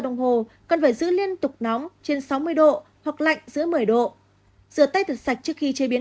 đồng hồ cần phải giữ liên tục nóng hoặc lạnh rửa tay thật sạch trước khi chế biến